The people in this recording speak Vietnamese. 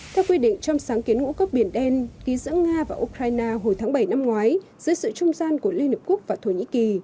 theo quy định trong sáng kiến ngũ cốc biển đen ký giữa nga và ukraine hồi tháng bảy năm ngoái dưới sự trung gian của liên hợp quốc và thổ nhĩ kỳ